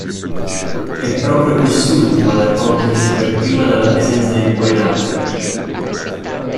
È proprio quest'ultima ad accorgersi per prima della presenza dei due "naufraghi".